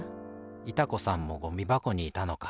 いた子さんもゴミばこにいたのか。